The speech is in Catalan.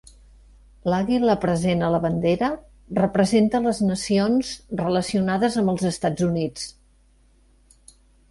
L'àguila present a la bandera representa les nacions relacionades amb els Estats Units.